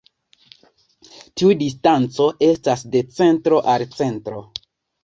Tiu distanco estas de centro al centro.